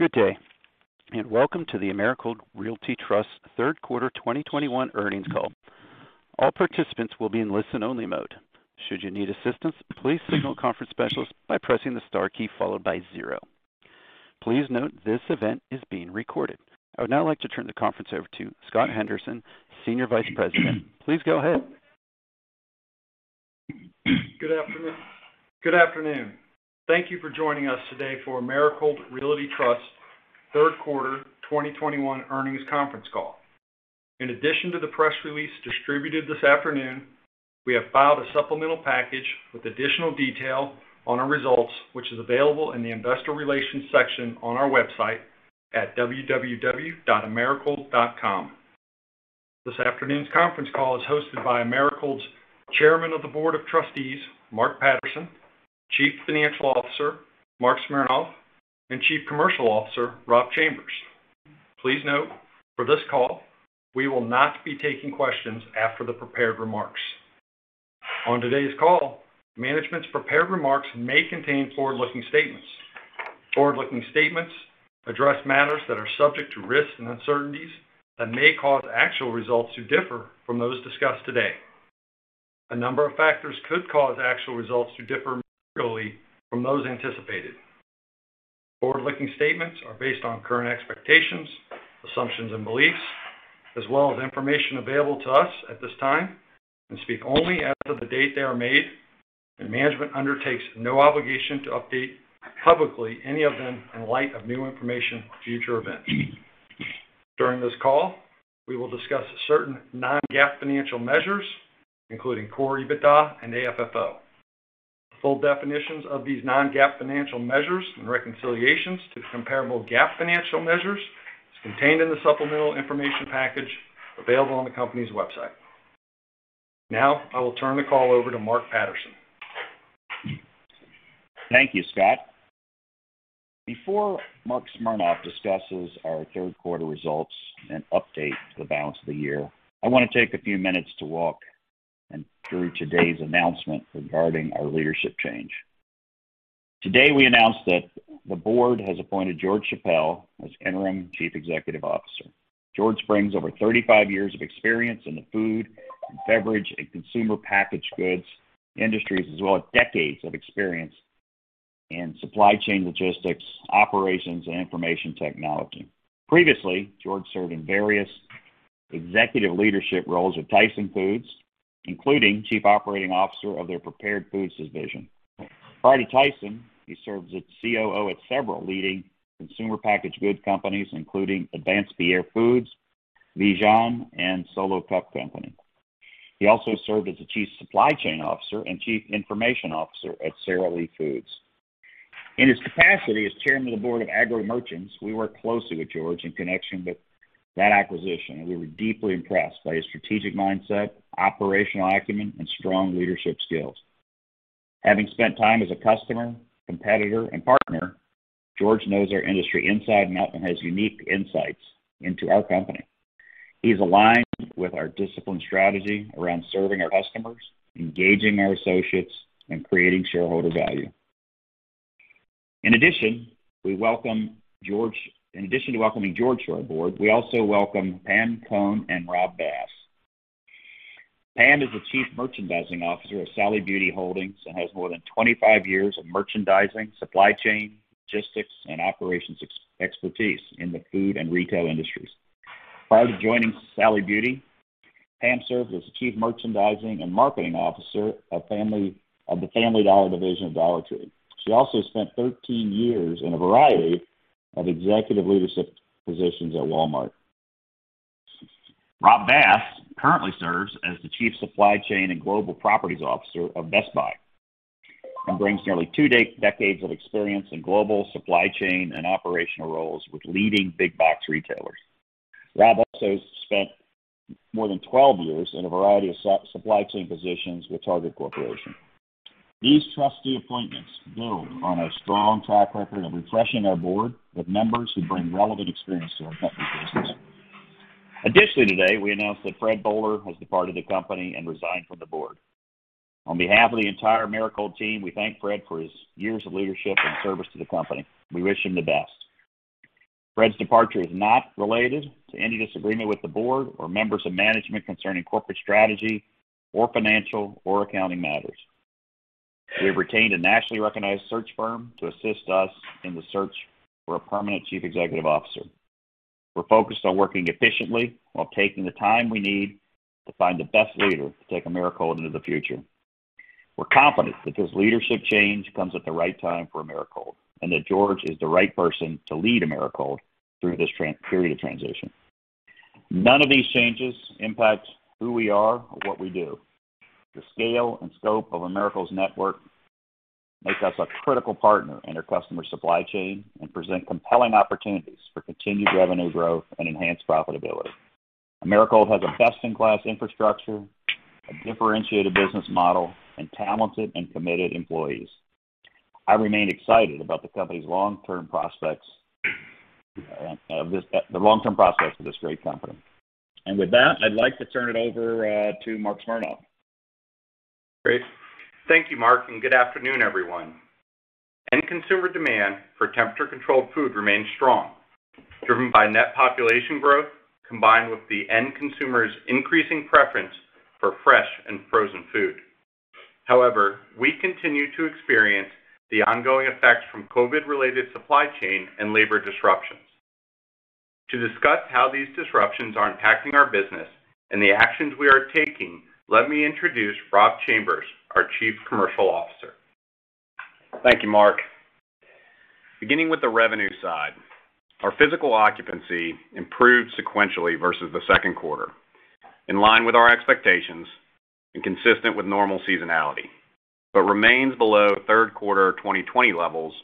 Good day, and welcome to the Americold Realty Trust third quarter 2021 earnings call. All participants will be in listen-only mode. Should you need assistance, please signal a conference specialist by pressing the star key followed by zero. Please note this event is being recorded. I would now like to turn the conference over to Scott Henderson, Senior Vice President. Please go ahead. Good afternoon. Thank you for joining us today for Americold Realty Trust third quarter 2021 earnings conference call. In addition to the press release distributed this afternoon, we have filed a supplemental package with additional detail on our results, which is available in the investor relations section on our website at www.americold.com. This afternoon's conference call is hosted by Americold's Chairman of the Board of Trustees, Mark Patterson, Chief Financial Officer, Marc Smernoff, and Chief Commercial Officer, Rob Chambers. Please note, for this call, we will not be taking questions after the prepared remarks. On today's call, management's prepared remarks may contain forward-looking statements. Forward-looking statements address matters that are subject to risks and uncertainties that may cause actual results to differ from those discussed today. A number of factors could cause actual results to differ materially from those anticipated. Forward-looking statements are based on current expectations, assumptions, and beliefs, as well as information available to us at this time and speak only as of the date they are made, and management undertakes no obligation to update publicly any of them in light of new information or future events. During this call, we will discuss certain non-GAAP financial measures, including Core EBITDA and AFFO. Full definitions of these non-GAAP financial measures and reconciliations to comparable GAAP financial measures is contained in the supplemental information package available on the company's website. Now, I will turn the call over to Mark Patterson. Thank you, Scott. Before Marc Smernoff discusses our third quarter results and an update on the balance of the year, I wanna take a few minutes to walk you through today's announcement regarding our leadership change. Today, we announced that the board has appointed George Chappelle as Interim Chief Executive Officer. George brings over 35 years of experience in the food and beverage and consumer packaged goods industries, as well as decades of experience in supply chain logistics, operations, and information technology. Previously, George served in various executive leadership roles at Tyson Foods, including Chief Operating Officer of their prepared foods division. Prior to Tyson, he served as a COO at several leading consumer packaged goods companies, including AdvancePierre Foods, Vi-Jon, and Solo Cup Company. He also served as the Chief Supply Chain Officer and Chief Information Officer at Sara Lee Foods. In his capacity as chairman of the board of Agro Merchants, we worked closely with George in connection with that acquisition, and we were deeply impressed by his strategic mindset, operational acumen, and strong leadership skills. Having spent time as a customer, competitor, and partner, George knows our industry inside and out and has unique insights into our company. He's aligned with our disciplined strategy around serving our customers, engaging our associates, and creating shareholder value. In addition to welcoming George to our board, we also welcome Pamela Kohn and Rob Chambers. Pamela Kohn is the Chief Merchandising Officer of Sally Beauty Holdings and has more than 25 years of merchandising, supply chain, logistics, and operations expertise in the food and retail industries. Prior to joining Sally Beauty, Pam Kohn served as the Chief Merchandising and Marketing Officer of the Family Dollar division of Dollar Tree. She also spent 13 years in a variety of executive leadership positions at Walmart. Rob Chambers currently serves as the Chief Supply Chain and Global Properties Officer of Best Buy and brings nearly two decades of experience in global supply chain and operational roles with leading big box retailers. Rob also spent more than 12 years in a variety of supply chain positions with Target Corporation. These trustee appointments build on our strong track record of refreshing our board with members who bring relevant experience to our company's business. Additionally, today, we announced that Fred Boehler has departed the company and resigned from the board. On behalf of the entire Americold team, we thank Fred for his years of leadership and service to the company. We wish him the best. Fred's departure is not related to any disagreement with the board or members of management concerning corporate strategy or financial or accounting matters. We have retained a nationally recognized search firm to assist us in the search for a permanent chief executive officer. We're focused on working efficiently while taking the time we need to find the best leader to take Americold into the future. We're confident that this leadership change comes at the right time for Americold, and that George is the right person to lead Americold through this period of transition. None of these changes impact who we are or what we do. The scale and scope of Americold's network make us a critical partner in our customer supply chain and present compelling opportunities for continued revenue growth and enhanced profitability. Americold has a best-in-class infrastructure, a differentiated business model, and talented and committed employees. I remain excited about the company's long-term prospects of this great company. With that, I'd like to turn it over to Marc Smernoff. Great. Thank you, Mark, and good afternoon, everyone. End consumer demand for temperature-controlled food remains strong, driven by net population growth, combined with the end consumers' increasing preference for fresh and frozen food. However, we continue to experience the ongoing effects from COVID-related supply chain and labor disruptions. To discuss how these disruptions are impacting our business and the actions we are taking, let me introduce Rob Chambers, our Chief Commercial Officer. Thank you, Mark. Beginning with the revenue side, our physical occupancy improved sequentially versus the second quarter, in line with our expectations and consistent with normal seasonality, but remains below third quarter 2020 levels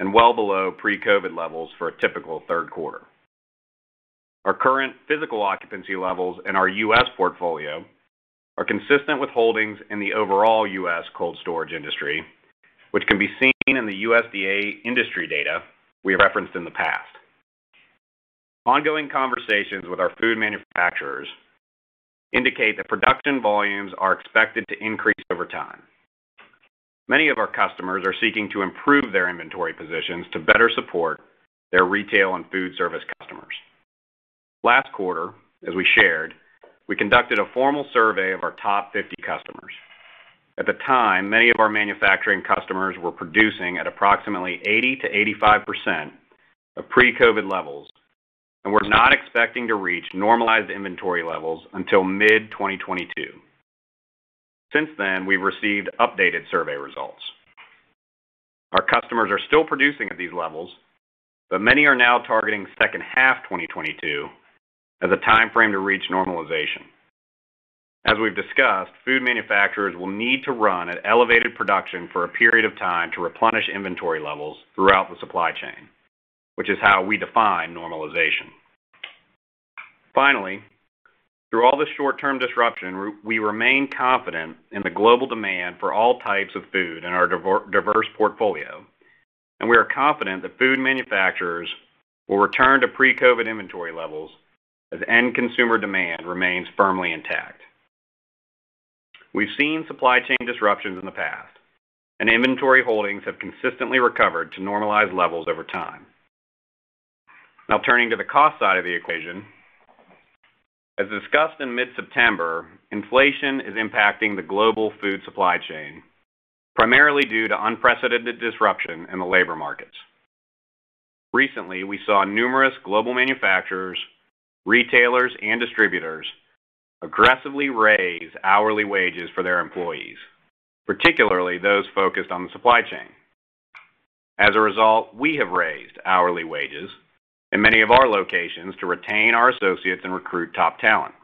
and well below pre-COVID levels for a typical third quarter. Our current physical occupancy levels in our U.S. portfolio are consistent with holdings in the overall U.S. cold storage industry, which can be seen in the USDA industry data we referenced in the past. Ongoing conversations with our food manufacturers indicate that production volumes are expected to increase over time. Many of our customers are seeking to improve their inventory positions to better support their retail and food service customers. Last quarter, as we shared, we conducted a formal survey of our top 50 customers. At the time, many of our manufacturing customers were producing at approximately 80%-85% of pre-COVID levels, and we're not expecting to reach normalized inventory levels until mid-2022. Since then, we've received updated survey results. Our customers are still producing at these levels, but many are now targeting second half 2022 as a timeframe to reach normalization. As we've discussed, food manufacturers will need to run at elevated production for a period of time to replenish inventory levels throughout the supply chain, which is how we define normalization. Finally, through all this short-term disruption, we remain confident in the global demand for all types of food in our diverse portfolio, and we are confident that food manufacturers will return to pre-COVID inventory levels as end consumer demand remains firmly intact. We've seen supply chain disruptions in the past, and inventory holdings have consistently recovered to normalized levels over time. Now turning to the cost side of the equation. As discussed in mid-September, inflation is impacting the global food supply chain, primarily due to unprecedented disruption in the labor markets. Recently, we saw numerous global manufacturers, retailers, and distributors aggressively raise hourly wages for their employees, particularly those focused on the supply chain. As a result, we have raised hourly wages in many of our locations to retain our associates and recruit top talent.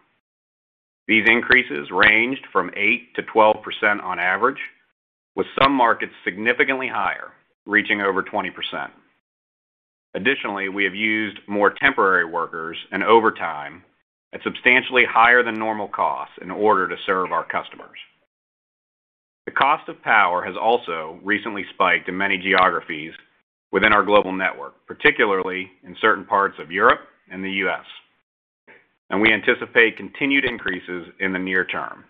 These increases ranged from 8%-12% on average, with some markets significantly higher, reaching over 20%. Additionally, we have used more temporary workers and overtime at substantially higher than normal costs in order to serve our customers. The cost of power has also recently spiked in many geographies within our global network, particularly in certain parts of Europe and the U.S., and we anticipate continued increases in the near term.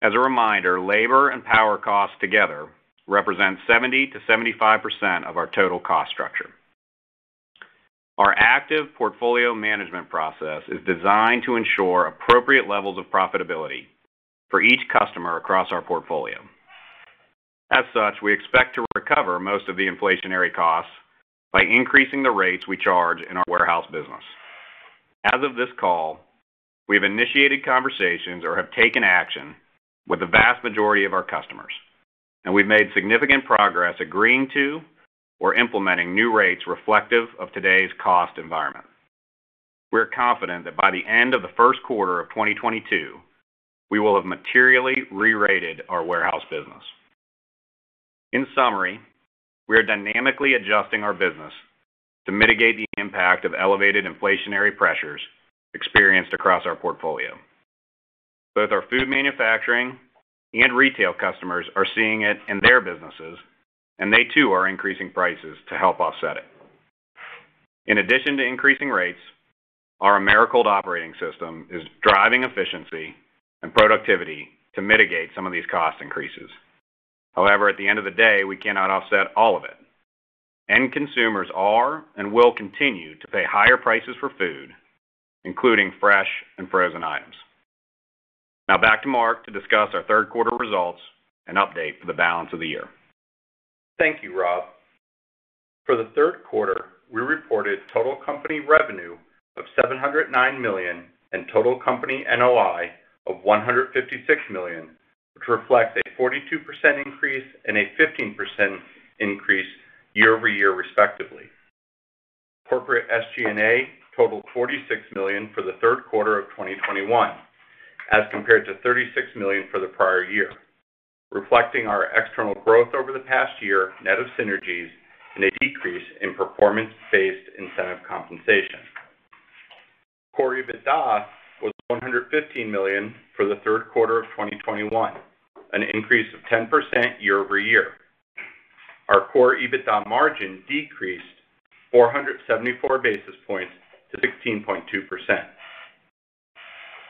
As a reminder, labor and power costs together represent 70%-75% of our total cost structure. Our active portfolio management process is designed to ensure appropriate levels of profitability for each customer across our portfolio. As such, we expect to recover most of the inflationary costs by increasing the rates we charge in our warehouse business. As of this call, we've initiated conversations or have taken action with the vast majority of our customers, and we've made significant progress agreeing to or implementing new rates reflective of today's cost environment. We're confident that by the end of the first quarter of 2022, we will have materially re-rated our warehouse business. In summary, we are dynamically adjusting our business to mitigate the impact of elevated inflationary pressures experienced across our portfolio. Both our food manufacturing and retail customers are seeing it in their businesses, and they too are increasing prices to help offset it. In addition to increasing rates, our Americold Operating System is driving efficiency and productivity to mitigate some of these cost increases. However, at the end of the day, we cannot offset all of it. End consumers are and will continue to pay higher prices for food, including fresh and frozen items. Now back to Mark to discuss our third quarter results and update for the balance of the year. Thank you, Rob. For the third quarter, we reported total company revenue of $709 million and total company NOI of $156 million, which reflect a 42% increase and a 15% increase year-over-year, respectively. Corporate SG&A totaled $46 million for the third quarter of 2021 as compared to $36 million for the prior year, reflecting our external growth over the past year net of synergies and a decrease in performance-based incentive compensation. Core EBITDA was $115 million for the third quarter of 2021, an increase of 10% year-over-year. Our core EBITDA margin decreased 474 basis points to 16.2%.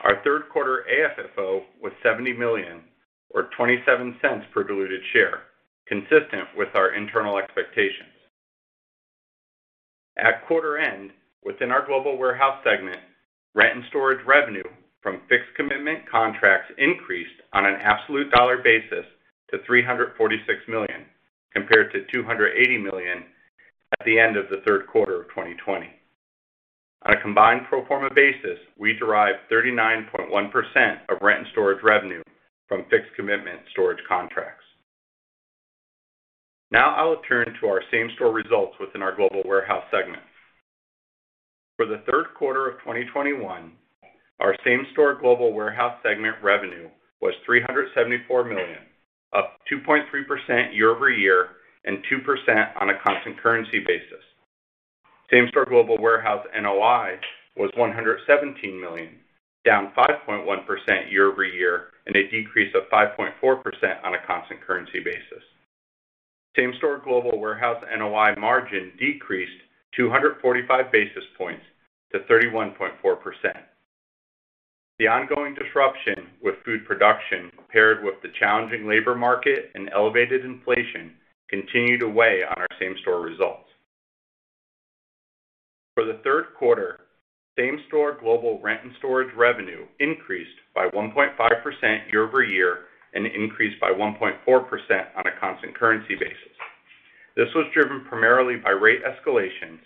Our third quarter AFFO was $70 million, or $0.27 per diluted share, consistent with our internal expectations. At quarter end, within our global warehouse segment, rent and storage revenue from fixed commitment contracts increased on an absolute dollar basis to $346 million, compared to $280 million at the end of the third quarter of 2020. On a combined pro forma basis, we derived 39.1% of rent and storage revenue from fixed commitment storage contracts. Now I'll turn to our same-store results within our global warehouse segment. For the third quarter of 2021, our same-store global warehouse segment revenue was $374 million, up 2.3% year-over-year, and 2% on a constant currency basis. Same-store global warehouse NOI was $117 million, down 5.1% year-over-year, and a decrease of 5.4% on a constant currency basis. Same-store global warehouse NOI margin decreased 245 basis points to 31.4%. The ongoing disruption with food production, paired with the challenging labor market and elevated inflation, continued to weigh on our same-store results. For the third quarter, same-store global rent and storage revenue increased by 1.5% year over year and increased by 1.4% on a constant currency basis. This was driven primarily by rate escalations,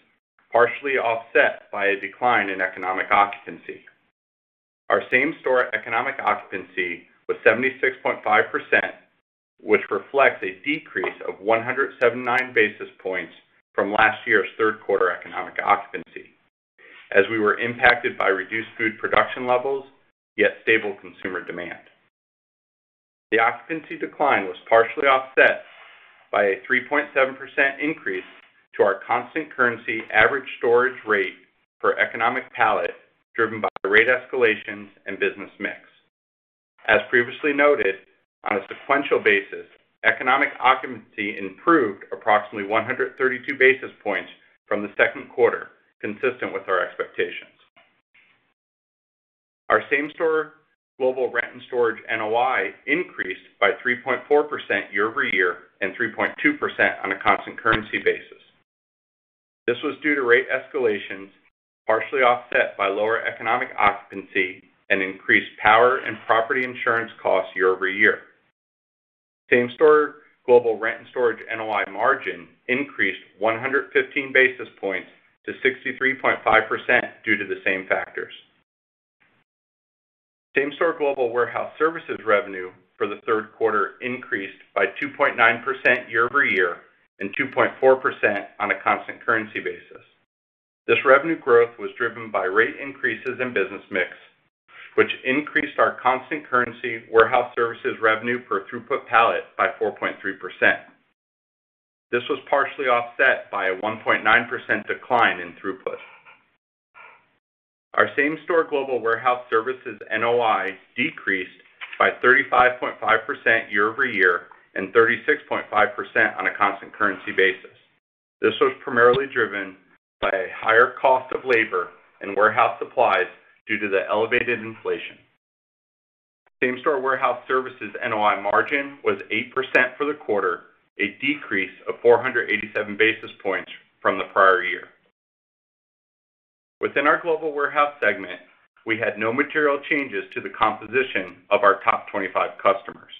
partially offset by a decline in economic occupancy. Our same-store economic occupancy was 76.5%, which reflects a decrease of 179 basis points from last year's third quarter economic occupancy, as we were impacted by reduced food production levels, yet stable consumer demand. The occupancy decline was partially offset by a 3.7% increase to our constant currency average storage rate for economic pallet, driven by rate escalations and business mix. As previously noted, on a sequential basis, economic occupancy improved approximately 132 basis points from the second quarter, consistent with our expectations. Our same-store global rent and storage NOI increased by 3.4% year-over-year and 3.2% on a constant currency basis. This was due to rate escalations, partially offset by lower economic occupancy and increased power and property insurance costs year-over-year. Same-store global rent and storage NOI margin increased 115 basis points to 63.5% due to the same factors. Same-store global warehouse services revenue for the third quarter increased by 2.9% year-over-year and 2.4% on a constant currency basis. This revenue growth was driven by rate increases in business mix, which increased our constant currency warehouse services revenue per throughput pallet by 4.3%. This was partially offset by a 1.9% decline in throughput. Our same-store global warehouse services NOI decreased by 35.5% year-over-year and 36.5% on a constant currency basis. This was primarily driven by higher cost of labor and warehouse supplies due to the elevated inflation. Same-store warehouse services NOI margin was 8% for the quarter, a decrease of 487 basis points from the prior year. Within our global warehouse segment, we had no material changes to the composition of our top 25 customers,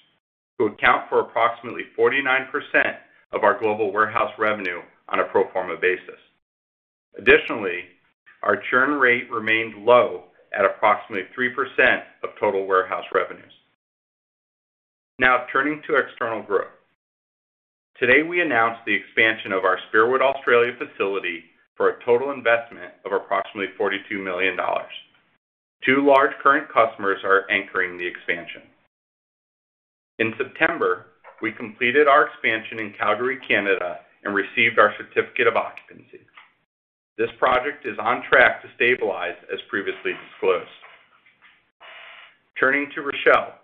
who account for approximately 49% of our global warehouse revenue on a pro forma basis. Additionally, our churn rate remained low at approximately 3% of total warehouse revenues. Now turning to external growth. Today, we announced the expansion of our Spearwood Australia facility for a total investment of approximately $42 million. Two large current customers are anchoring the expansion. In September, we completed our expansion in Calgary, Canada, and received our certificate of occupancy. This project is on track to stabilize, as previously disclosed. Turning to Rochelle.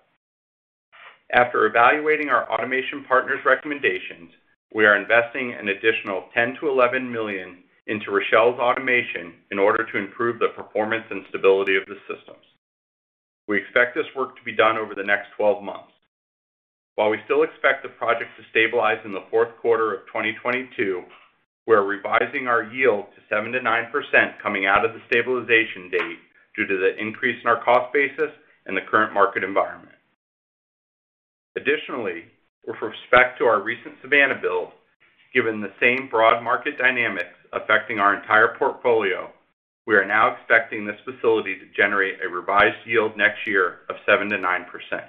After evaluating our automation partner's recommendations, we are investing an additional $10 million-$11 million into Rochelle's automation in order to improve the performance and stability of the systems. We expect this work to be done over the next 12 months. While we still expect the project to stabilize in the fourth quarter of 2022, we're revising our yield to 7%-9% coming out of the stabilization date due to the increase in our cost basis and the current market environment. Additionally, with respect to our recent Savannah build, given the same broad market dynamics affecting our entire portfolio, we are now expecting this facility to generate a revised yield next year of 7%-9%.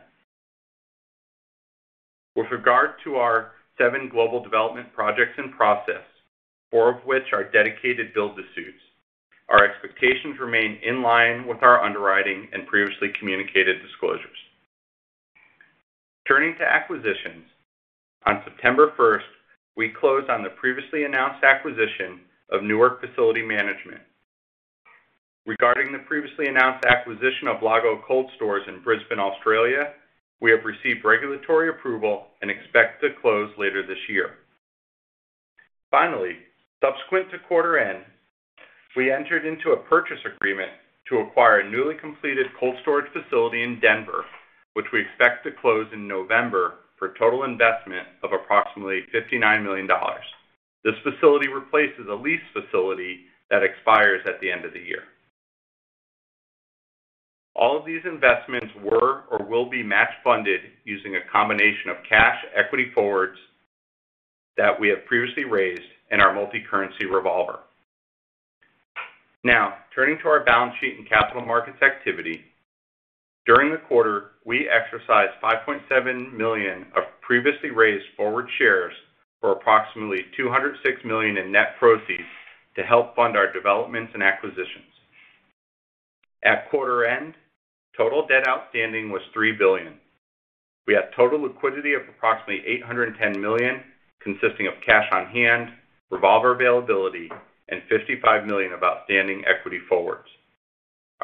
With regard to our seven global development projects in process, four of which are dedicated build-to-suits, our expectations remain in line with our underwriting and previously communicated disclosures. Turning to acquisitions. On September 1st, we closed on the previously announced acquisition of Newark Facility Management. Regarding the previously announced acquisition of Lago Cold Stores in Brisbane, Australia, we have received regulatory approval and expect to close later this year. Finally, subsequent to quarter end, we entered into a purchase agreement to acquire a newly completed cold storage facility in Denver, which we expect to close in November for total investment of approximately $59 million. This facility replaces a lease facility that expires at the end of the year. All of these investments were or will be match funded using a combination of cash equity forwards that we have previously raised in our multicurrency revolver. Now turning to our balance sheet and capital markets activity. During the quarter, we exercised 5.7 million of previously raised forward shares for approximately $206 million in net proceeds to help fund our developments and acquisitions. At quarter end, total debt outstanding was $3 billion. We had total liquidity of approximately $810 million, consisting of cash on hand, revolver availability, and $55 million of outstanding equity forwards.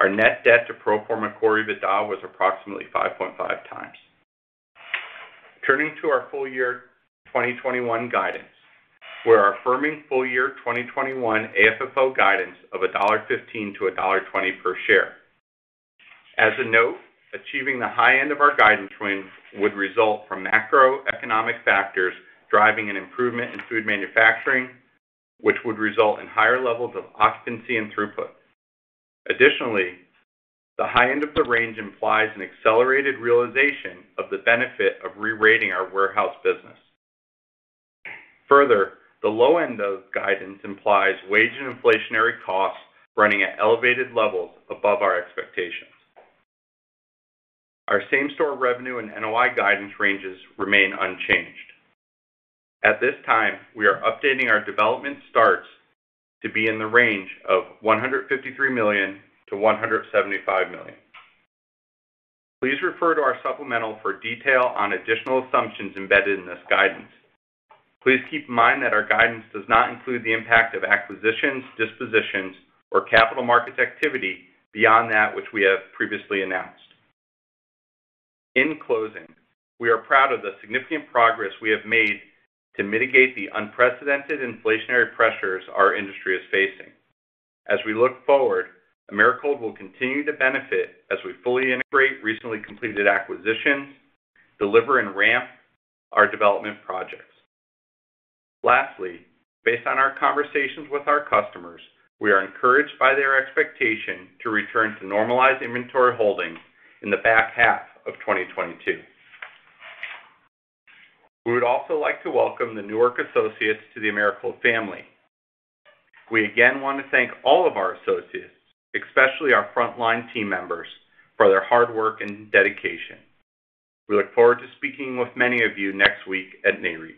Our net debt to pro forma Core EBITDA was approximately 5.5x. Turning to our full year 2021 guidance. We're affirming full year 2021 AFFO guidance of $1.15-$1.20 per share. As a note, achieving the high end of our guidance range would result from macroeconomic factors driving an improvement in food manufacturing, which would result in higher levels of occupancy and throughput. Additionally, the high end of the range implies an accelerated realization of the benefit of re-rating our warehouse business. Further, the low end of guidance implies wage and inflationary costs running at elevated levels above our expectations. Our same-store revenue and NOI guidance ranges remain unchanged. At this time, we are updating our development starts to be in the range of $153 million-$175 million. Please refer to our supplemental for detail on additional assumptions embedded in this guidance. Please keep in mind that our guidance does not include the impact of acquisitions, dispositions, or capital markets activity beyond that which we have previously announced. In closing, we are proud of the significant progress we have made to mitigate the unprecedented inflationary pressures our industry is facing. As we look forward, Americold will continue to benefit as we fully integrate recently completed acquisitions, deliver and ramp our development projects. Lastly, based on our conversations with our customers, we are encouraged by their expectation to return to normalized inventory holdings in the back half of 2022. We would also like to welcome the Newark associates to the Americold family. We again want to thank all of our associates, especially our frontline team members, for their hard work and dedication. We look forward to speaking with many of you next week at Nareit.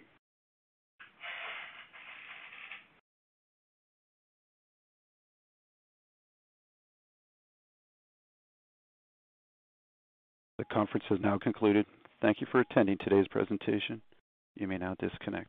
The conference has now concluded. Thank you for attending today's presentation. You may now disconnect.